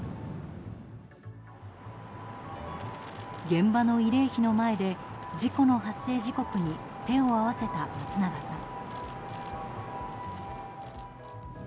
現場の慰霊碑の前で事故の発生時刻に手を合わせた松永さん。